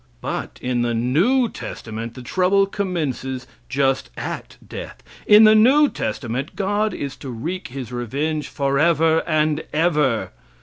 But in the new testament the trouble commences just at death. In the new testament God is to wreak His revenge forever and ever.